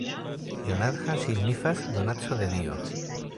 Jonathan signifas 'donaco de dio'.